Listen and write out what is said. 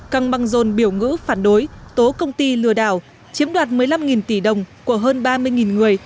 căng băng rồn biểu ngữ phản đối tố công ty lừa đảo chiếm đoạt một mươi năm tỷ đồng của hơn ba mươi người